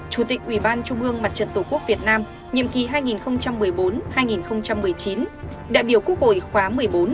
chủ tịch ủy ban trung ương mặt trận tổ quốc việt nam nhiệm kỳ hai nghìn một mươi bốn hai nghìn một mươi chín đại biểu quốc hội khóa một mươi bốn